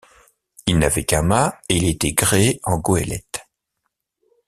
Il n’avait qu’un mât, et il était gréé en goëlette.